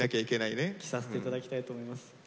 着させていただきたいと思います。